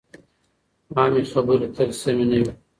عامې خبرې تل سمې نه وي.